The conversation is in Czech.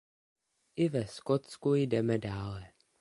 I ve Skotsku jdeme dále.